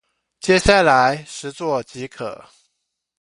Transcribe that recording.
接下來實作即可